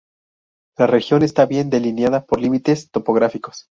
La región está bien delineada por límites topográficos.